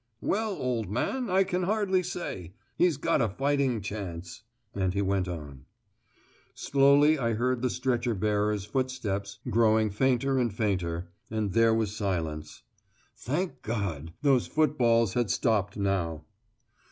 "Well, old man, I can hardly say. He's got a fighting chance," and he went on. Slowly I heard the stretcher bearers' footsteps growing fainter and fainter, and there was silence. Thank God! those footballs had stopped now!